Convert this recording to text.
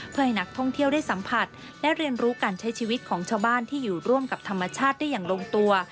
เพื่อให้นักท่องเที่ยวได้สัมผัสและเรียนรู้การใช้ชีวิตของชาวบ้านที่อยู่ร่วมกับธรรมชาติได้อย่างลงตัว